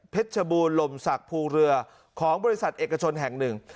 ชบูรณลมศักดิ์ภูเรือของบริษัทเอกชนแห่งหนึ่ง